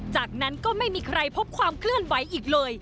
จากนั้นก็ไม่มีใครพบความเคลื่อนไหวอีกเลย